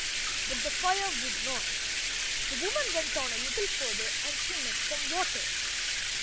But the fire would not. The woman went on a little further and she met some water.